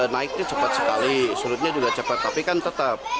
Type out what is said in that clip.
naiknya cepat sekali surutnya juga cepat tapi kan tetap